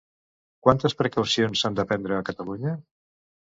Quantes precaucions s'han de prendre a Catalunya?